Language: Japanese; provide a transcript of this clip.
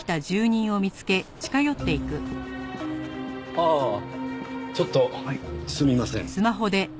ああちょっとすみません。